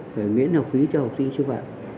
phải miễn học phí cho học sinh sư phạm